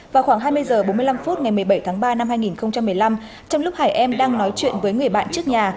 vào khoảng hai mươi h bốn mươi năm phút ngày một mươi bảy tháng ba năm hai nghìn một mươi năm trong lúc hải em đang nói chuyện với người bạn trước nhà